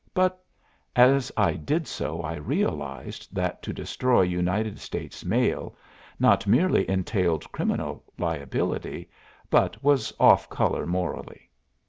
But as I did so I realized that to destroy United States mail not merely entailed criminal liability, but was off color morally.